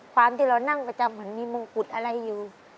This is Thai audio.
ความที่เรานั่งประจำเหมือนมีมงกุฎอะไรอยู่